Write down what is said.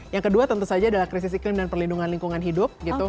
yang kedua tentu saja adalah krisis iklim dan perlindungan lingkungan hidup